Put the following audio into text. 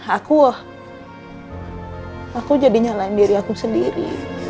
aku wah aku jadi nyalain diri aku sendiri